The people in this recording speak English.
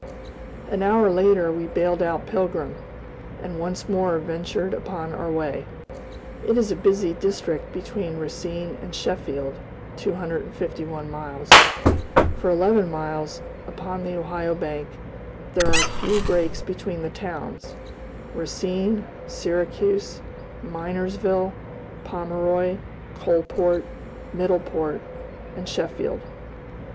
An hour later, we bailed out Pilgrim, and once more ventured upon our way. It is a busy district between Racine and Sheffield (251 miles). For eleven miles, upon the Ohio bank, there are few breaks between the towns, Racine, Syracuse, Minersville, Pomeroy, Coalport, Middleport, and Sheffield.